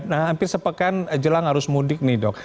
nah hampir sepekan jelang arus mudik nih dok